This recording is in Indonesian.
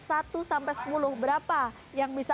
satu sampai sepuluh berapa yang bisa